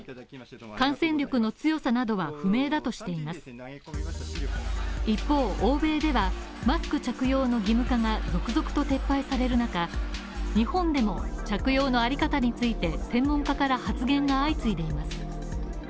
感染力の強さなどは不明だとしています一方、欧米ではマスク着用の義務化など続々と撤廃される中、日本でも着用のあり方について専門家から発言が相次いでいます。